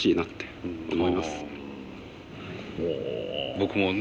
僕もね